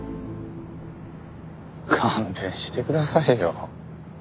勘弁してくださいよ。